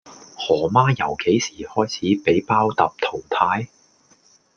何媽由幾時開始俾包揼淘汰?